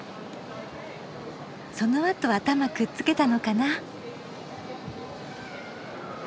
そのあと頭くっつけたのかな。